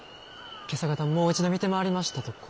今朝方もう一度見て回りましたところ。